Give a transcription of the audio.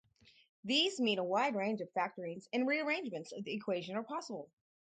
These mean a wide range of factorings and rearrangements of the equation are possible.